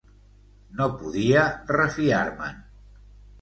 No podia refiar-me'n.